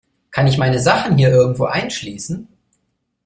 Kann ich meine Sachen hier irgendwo einschließen?